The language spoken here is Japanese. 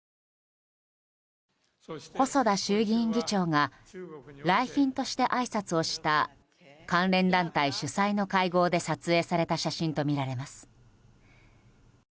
細田衆議院議長が来賓としてあいさつをした関連団体主催の会合で撮影された写真とみられます。